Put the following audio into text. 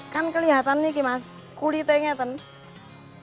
kan kelihatan ini mas kulitnya ini